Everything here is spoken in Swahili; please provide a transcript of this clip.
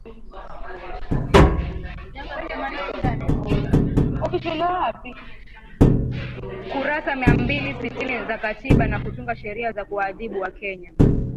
kurasa mia mbili sitini za katiba na kutunga sheria za kuwaadhibu wakenya